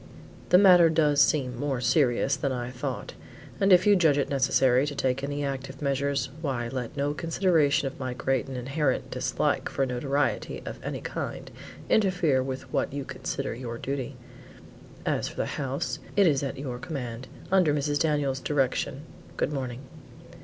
"The matter does seem to be more serious than I thought, and if you judge it necessary to take any active measures, why, let no consideration of my great and inherent dislike to notoriety of any kind, interfere with what you consider your duty. As for the house, it is at your command, under Mrs. Daniels' direction. Good morning."